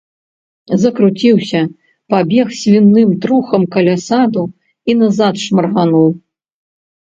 Закруціўся, прабег свіным трухам каля саду і назад шмаргануў.